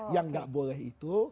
yang tidak boleh itu